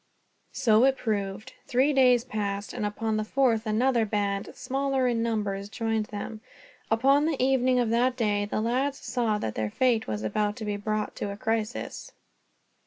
So it proved. Three days passed, and upon the fourth another band, smaller in numbers, joined them. Upon the evening of that day the lads saw that their fate was about to be brought to a crisis.